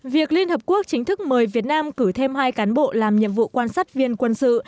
việc liên hợp quốc chính thức mời việt nam cử thêm hai cán bộ làm nhiệm vụ quan sát viên quân sự